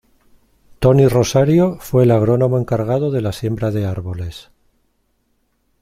Tony Rosario fue el Agrónomo encargado de la siembra de árboles.